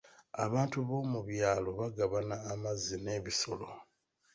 Abantu b'omu byalo bagabana amazzi n'ebisolo.